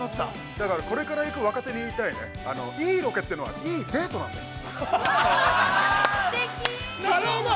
だから、これから行く若手に言いたい、いいロケは、いいデートなんだよ。